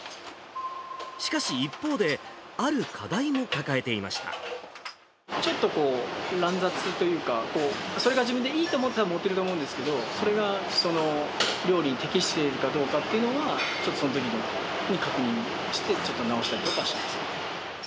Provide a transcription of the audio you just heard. しかし、一方で、ある課題も抱えちょっとこう、乱雑というか、それが自分でいいと思って盛ってると思うんですけど、それが、その料理に適しているかどうかっていうのは、ちょっとそのときに確認して、ちょっと直したりとかしてます。